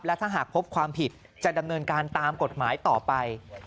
และถ้าหากพบความผิดจะดำเนินการตามกฎหมายต่อไป